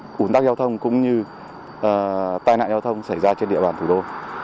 tình trạng ủn tắc giao thông cũng như tai nạn giao thông xảy ra trên địa bàn thủ đô